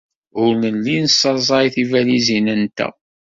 Ur nelli nessaẓay tibalizin-nteɣ.